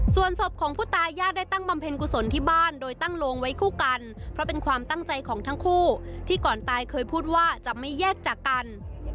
ส่วนศพของผู้ตายญาติได้ตั้งบำเพ็ญกุศลที่บ้านโดยตั้งโลงไว้คู่กันเพราะเป็นความตั้งใจของทั้งคู่ที่ก่อนตายเคยพูดว่าจะไม่แยกจากกัน